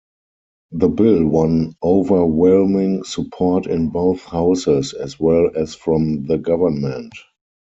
The Bill won overwhelming support in both Houses as well as from the Government.